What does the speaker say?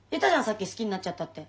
さっき好きになっちゃったって。